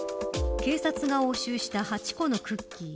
警察が押収した８個のクッキー。